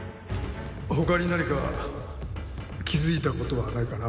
他に何か気づいた事はないかな？